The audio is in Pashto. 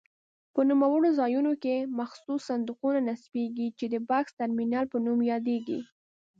په نوموړو ځایونو کې مخصوص صندوقونه نصبېږي چې د بکس ترمینل په نوم یادیږي.